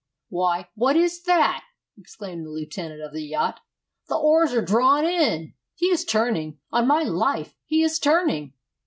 "Why, what is that?" exclaimed the lieutenant of the yacht. "The oars are drawn in! He is turning, on my life, he is turning!"